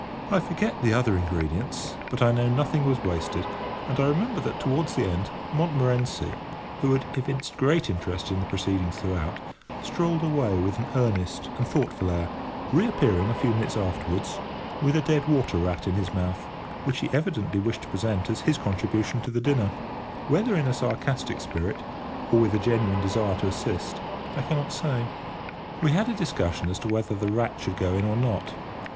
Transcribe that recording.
I forget the other ingredients, but I know nothing was wasted; and I remember that, towards the end, Montmorency, who had evinced great interest in the proceedings throughout, strolled away with an earnest and thoughtful air, reappearing, a few minutes afterwards, with a dead water rat in his mouth, which he evidently wished to present as his contribution to the dinner; whether in a sarcastic spirit, or with a genuine desire to assist, I cannot say. We had a discussion as to whether the rat should go in or not.